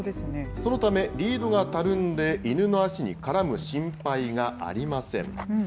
そのため、リードがたるんで、犬の足に絡む心配がありません。